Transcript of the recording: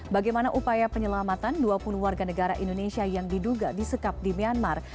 bagaimana upaya penyelamatan dua puluh warga negara indonesia yang diduga disekap di myanmar